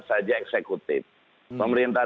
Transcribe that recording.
saja eksekutif pemerintah